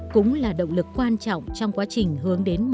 cũng là động lực quan trọng trong quá trình hướng đến